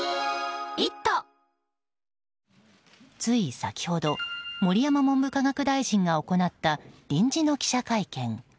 つい先ほど盛山文部科学大臣が行った臨時の記者会見。